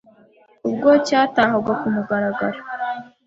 Ubwo cyatahwaga ku mugaragaro,